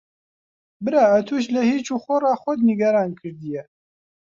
برا ئەتووش لە هیچ و خۆڕا خۆت نیگەران کردییە.